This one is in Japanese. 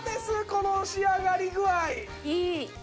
この仕上がり具合。